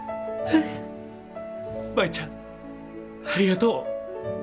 舞ちゃんありがとう。